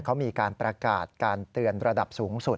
เขามีการประกาศการเตือนระดับสูงสุด